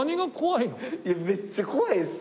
いやめっちゃ怖いです。